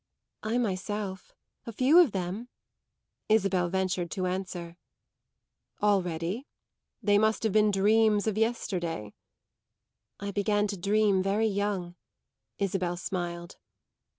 "I myself a few of them," Isabel ventured to answer. "Already? They must have been dreams of yesterday." "I began to dream very young," Isabel smiled.